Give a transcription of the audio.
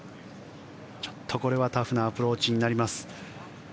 ちょっとこれはタフなアプローチになります。